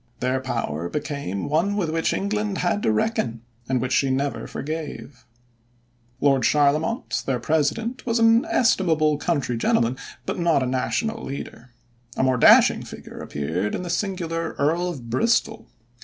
Their power became one with which England had to reckon, and which she never forgave. Lord Charlemont, their president, was an estimable country gentleman, but not a national leader. A more dashing figure appeared in the singular Earl of Bristol.